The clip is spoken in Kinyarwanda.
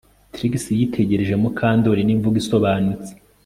Trix yitegereje Mukandoli nimvugo isobanutse